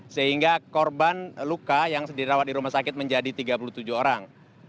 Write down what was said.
sehingga korban luka yang dirawat di rumah sakit menjadi tiga puluh tujuh orang